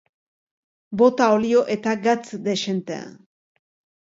Bota olio eta gatz dexente.